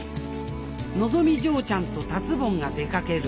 のぞみ嬢ちゃんと達ぼんが出かける。